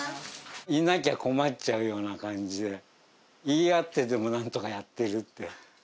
いなきゃ困っちゃうような感じで、言い合っててもなんとかやってるって。